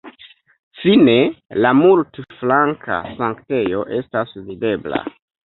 Fine la multflanka sanktejo estas videbla.